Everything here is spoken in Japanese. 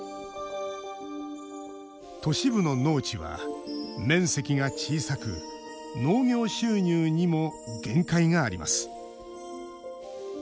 都市部の農地は面積が小さく農業収入にも限界があります。